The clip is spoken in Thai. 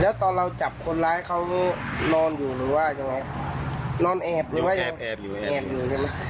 แล้วตอนเราจับคนร้ายเขานอนอยู่หรือว่ายังไงนอนแอบหรือว่าแอบอยู่แอบอยู่ใช่ไหม